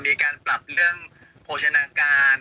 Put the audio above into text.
มีการปรับเรื่องโภชนาการ